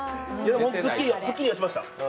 本当にすっきりはしました。